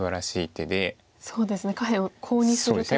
そうですね下辺をコウにする手が。